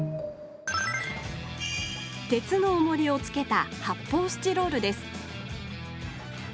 鉄のおもりをつけたはっぽうスチロールです